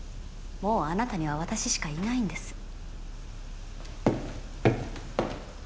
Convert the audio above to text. もうあなたには私しかいないんです。